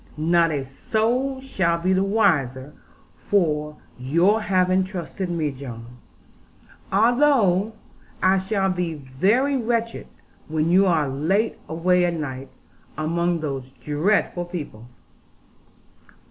Not a soul shall be the wiser for your having trusted me, John; although I shall be very wretched when you are late away at night, among those dreadful people.'